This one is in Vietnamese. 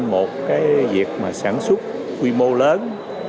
một việc sản xuất quy mô lớn